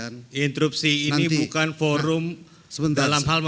f pertimbangan kerja akademi